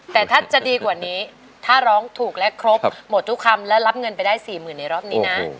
แต่ถ้าจะดีกว่านี้ถ้าร้องถูกและครบหมดทุกคำและรับเงินไปได้๔๐๐๐ในรอบนี้นะ